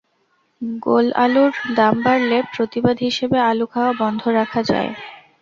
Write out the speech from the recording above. গোল আলুর দাম বাড়লে প্রতিবাদ হিসেবে আলু খাওয়া বন্ধ রাখা যায়।